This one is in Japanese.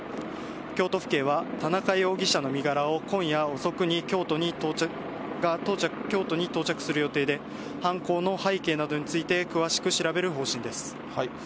京都府警は田中容疑者の身柄は今夜遅くに京都に到着する予定で、犯行の背景などについて詳しく調べる方針です。